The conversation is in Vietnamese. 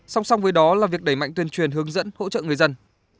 song song với đó là việc đẩy mạnh tuyên truyền hướng dẫn hỗ trợ người dân